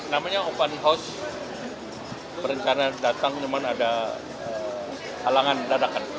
namanya open house perencanaan datang memang ada halangan dadakan